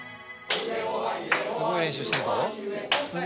すごい練習してるぞ。